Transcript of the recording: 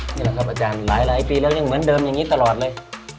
นี่แหละครับอาจารย์หลายปีแล้วยังเหมือนเดิมอย่างนี้ตลอดเลย